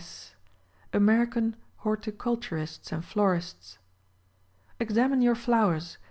IS. American — Horticulturists and Florists. Examine your flowers.